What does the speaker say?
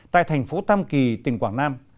tại thành phố tâm kỳ tỉnh quảng nam